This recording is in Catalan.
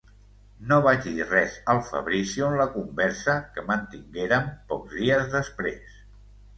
No vaig dir res al Fabrizio en la conversa que mantinguérem pocs dies després.